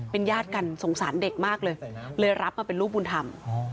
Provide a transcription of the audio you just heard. เป็นญาติกันสงสารเด็กมากเลยเลยรับมาเป็นลูกบุญธรรม